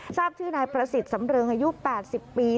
ทราบชื่อนายประสิทธิ์สำเริงอายุ๘๐ปี